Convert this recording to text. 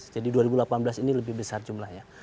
dua ribu delapan belas ini lebih besar jumlahnya